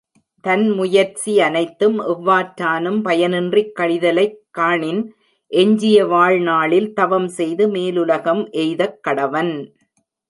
தன் முயற்சி அனைத்தும் எவ்வாற்றானும் பயனின்றிக் கழிதலைக் காணின் எஞ்சிய வாழ்நாளில் தவம் செய்து மேலுலகம் எய்தக்கடவன்.